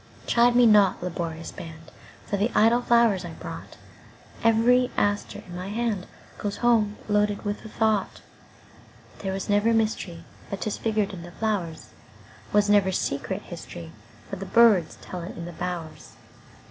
Chide me not, laborious band, For the idle flowers I brought; Every aster in my handGoes home loaded with a thought. There was never mysteryBut 'tis figured in the flowers; SWas never secret historyBut birds tell it in the bowers.